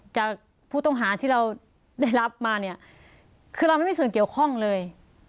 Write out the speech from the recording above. จากผู้ต้องหาที่เราได้รับมาเนี่ยคือเราไม่มีส่วนเกี่ยวข้องเลย